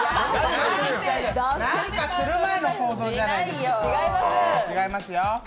何かする前の行動じゃないですか。